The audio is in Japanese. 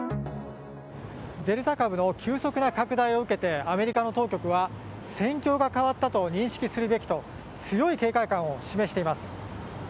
デルタ株の急速な拡大を受けてアメリカの当局は戦況が変わったと認識するべきと強い警戒感を示しています。